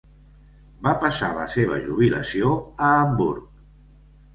Va passar la seva jubilació a Hamburg.